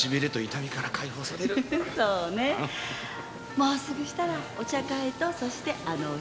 もうすぐしたらお茶会とそしてあの日！